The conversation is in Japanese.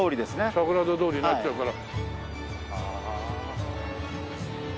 桜田通りになっちゃうから。